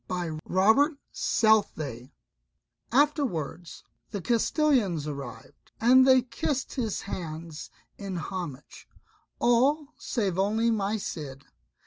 CHAPTER XI THE CID Afterwards the Castillians arrived, and they kissed his hands in homage, all, save only my Cid.